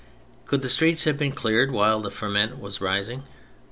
Could the streets have been cleared while the ferment was rising